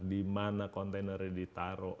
di mana kontainernya ditaruh